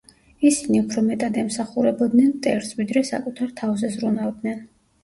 ისინი უფრო მეტად ემსახურებოდნენ მტერს, ვიდრე საკუთარ თავზე ზრუნავდნენ.